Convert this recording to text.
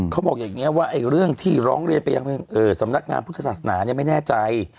เขาบอกอย่างนี้ว่าเรื่องที่ร้องเรียนไปยังสำนักงานพุทธศาสนาเนี่ยไม่แน่ใจ